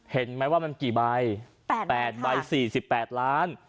เห็นไหมว่ามันกี่ใบแปดแปดใบสี่สิบแปดล้าน